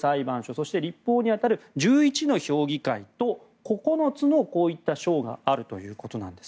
そして、立法に当たる１１の評議会と９つの省があるということです。